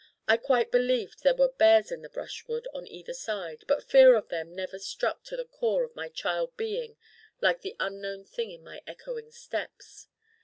I quite believed there were bears in the brushwood on either side, but fear of them never struck to the core of my child being like the unknown thing in my echoing steps.